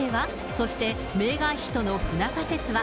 そして、メーガン妃との不仲説は？